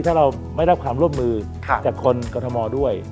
ถ้าเราไม่รับความร่วมมือจากคนกรทมด้วย